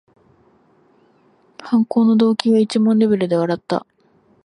犯行の動機がいちゃもんレベルで笑った